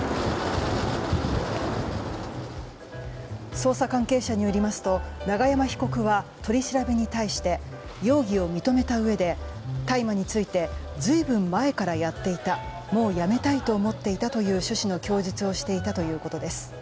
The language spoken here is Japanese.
捜査関係者によりますと永山被告は取り調べに対して容疑を認めたうえで大麻について随分前からやっていたもうやめたいと思っていたという趣旨の供述をしていたということです。